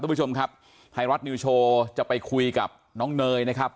คุณผู้ชมครับไทยรัฐนิวโชว์จะไปคุยกับน้องเนยนะครับ